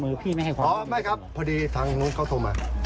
พี่ไม่ให้ความอ๋อไม่ครับพอดีทางนู้นเขาโทรมา